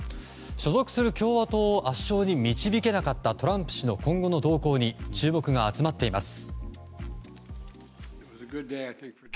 所属する共和党を圧勝に導けなかったトランプ氏の今後の動向に注目が集まっています。